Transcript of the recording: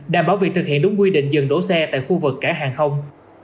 đảm bảo việc thực hiện đúng quy định dừng đổ xe tại khu vực cảng hàng không